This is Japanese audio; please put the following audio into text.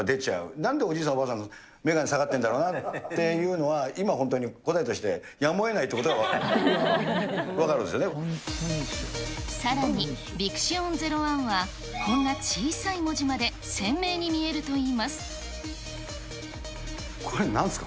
なんでおじいさん、おばあさん、眼鏡下がってるんだろうなっていうのは、今本当に答えとして、やむをえないというこさらに、ヴィクシオン０１は、こんな小さい文字まで鮮明に見えるといいまこれ、なんすか？